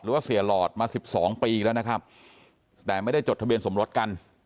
หรือว่าเสียหลอดมาสิบสองปีแล้วนะครับแต่ไม่ได้จดทะเบียนสมรสกัน